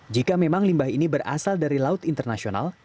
jika memang limbah ini berasal dari laut internasional